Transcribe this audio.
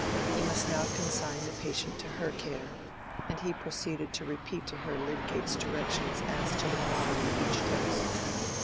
He must now consign the patient to her care; and he proceeded to repeat to her Lydgate's directions as to the quantity of each dose.